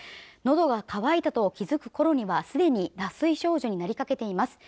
喉が渇いたと気づく頃にはすでに脱水症状になりかけています